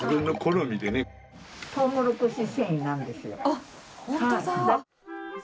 あっ本当だ！